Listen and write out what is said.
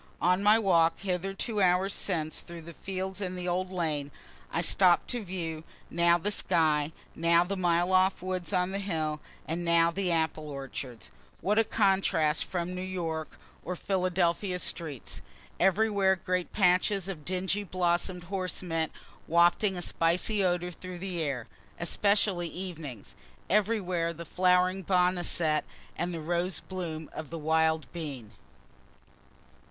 On my walk hither two hours since, through fields and the old lane, I stopt to view, now the sky, now the mile off woods on the hill, and now the apple orchards. What a contrast from New York's or Philadelphia's streets! Everywhere great patches of dingy blossom'd horse mint wafting a spicy odor through the air, (especially evenings.) Everywhere the flowering boneset, and the rose bloom of the wild bean.